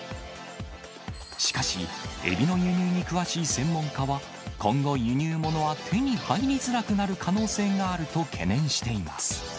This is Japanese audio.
しかし、エビの輸入に詳しい専門家は、今後、輸入物は手に入りづらくなる可能性があると懸念しています。